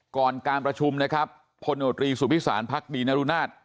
ก่อนการประชุมนะครับพลโนตรีสุพิสารพักดีนรุนาศ